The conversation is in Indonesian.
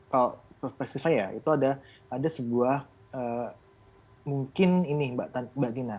kalau perspektif saya itu ada sebuah mungkin ini mbak dina